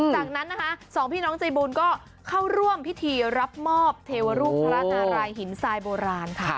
จากนั้นนะคะสองพี่น้องใจบุญก็เข้าร่วมพิธีรับมอบเทวรูปพระนารายหินทรายโบราณค่ะ